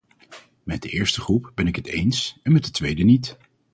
Met de eerste groep ben ik het eens en met de tweede niet.